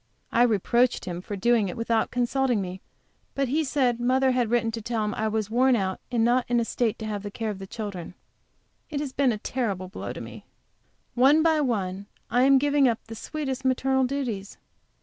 I reproached him for doing it without consulting me, but he said mother bad written to tell him that I was all worn out and not in a state to have the care of the children. It has been a terrible blow to me. One by one I am giving up the sweetest maternal duties.